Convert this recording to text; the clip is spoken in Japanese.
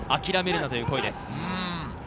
諦めるなという声です。